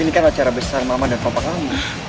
ini kan acara besar mama dan papa kami